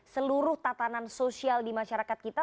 seluruh tatanan sosial di masyarakat kita